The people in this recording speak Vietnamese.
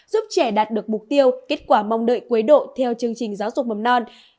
giúp trẻ đạt được mục tiêu kết quả mong đợi cuối độ theo chương trình giáo dục mầm non